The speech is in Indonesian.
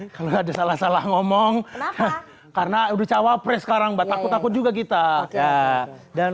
kalau ada salah salah ngomong karena udah cawapres sekarang batakut aku juga kita dan